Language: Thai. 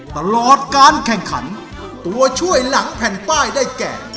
ตลอดการแข่งขันตัวช่วยหลังแผ่นป้ายได้แก่